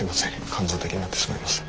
感情的になってしまいました。